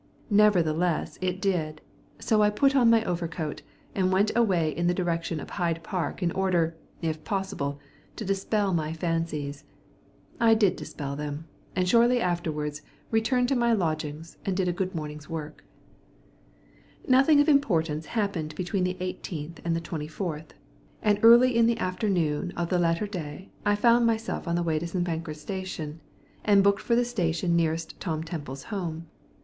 Nevertheless it did, so I put on my overcoat, and went away in the direction of Hyde Park in order, if possible, to dispel my fancies. I did dispel them, and shortly afterwards returned to my lodgings, and did a good morning's work. Nothing of importance happened between the 18th and the 24th, and early in the afternoon of the latter date I found my way to St. Pancras Station, and booked for the station nearest Tom Temple's home.